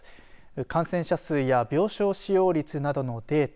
感染者数や病床使用率などのデータ